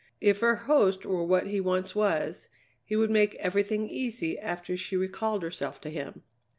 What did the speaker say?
If her host were what he once was, he would make everything easy after she recalled herself to him.